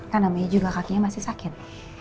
kan namanya juga kakinya masih sakit